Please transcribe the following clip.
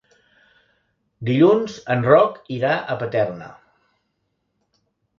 Dilluns en Roc irà a Paterna.